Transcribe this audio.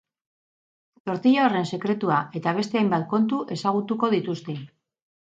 Tortilla horren sekretua eta beste hainbat kontu ezagutuko dituzte.